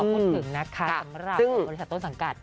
พูดถึงนะคะสำหรับบริษัทต้นสังกัด